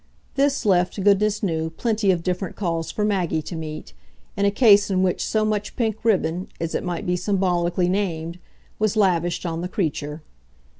This left, goodness knew, plenty of different calls for Maggie to meet in a case in which so much pink ribbon, as it might be symbolically named, was lavished on the creature.